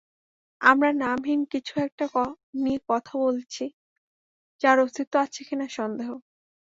আমরা নামহীন কিছু একটা নিয়ে কথা বলেছি যার অস্তিত্ব আছে কিনা সন্দেহ।